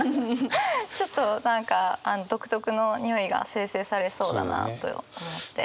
ちょっと何か独特のにおいが生成されそうだなと思って。